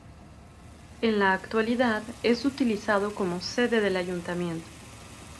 En la actualidad es utilizado como sede del Ayuntamiento.